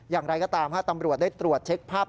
อย่างไรก็ตามตำรวจได้ตรวจเช็คภาพ